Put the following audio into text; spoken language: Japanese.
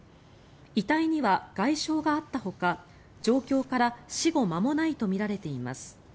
遺体には外傷があったほか状況から死後間もないとみられています。